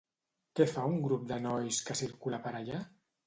Què fa un grup de nois que circula per allà?